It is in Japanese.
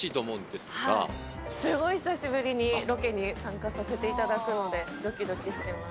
すごい久しぶりにロケに参加させていただくので、どきどきしてます。